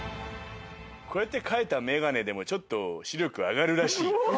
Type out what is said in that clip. こうやって描いた眼鏡でもちょっと視力上がるらしいよ。